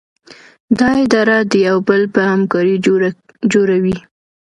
دا اداره د یو بل په همکارۍ جوړه وي.